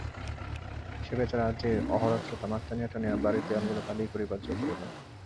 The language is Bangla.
সে বেচারা যে অহোরাত্র তামাক টানিয়া টানিয়া বাড়ির দেয়ালগুলা কালি করিবার জো করিল।